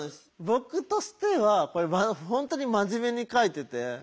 僕としては本当に真面目に書いてて。